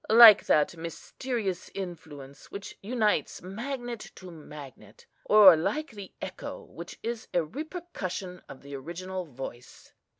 Like that mysterious influence which unites magnet to magnet; or like the echo which is a repercussion of the original voice.